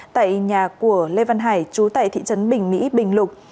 tại nhà của lê văn hải chú tại thị trấn bình mỹ bình lục